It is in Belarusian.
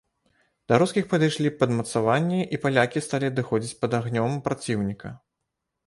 Да рускіх падышлі падмацаванні, і палякі сталі адыходзіць пад агнём праціўніка.